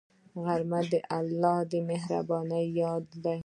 غرمه د الله مهربانۍ یاد ده